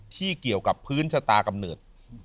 ที่เกี่ยวกับพื้นชะตากำเนิด